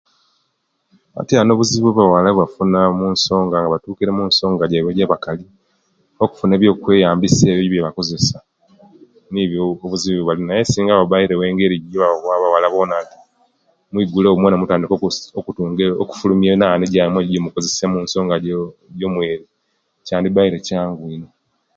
Atyanu obuzibu abawaala obyebafuna musonga nga bstukire musonga jaibwe ejabakal okufuna ebyekweyambisya ebyo ebyebakozesya nibyo obuzibu obwebalina singa waberewo engeri eje'bawa abawala bona mwigulewo mwena mutandike okutunga okufulumia enani jaimw eje mukozesya munsonga jomweri kyandibaile kyangu ino